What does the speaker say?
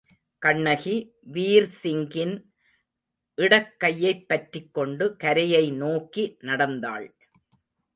கண்ணகி வீர்சிங்கின் இடக்கையைப் பற்றிக்கொண்டு கரையை நோக்கி நடந்தாள்.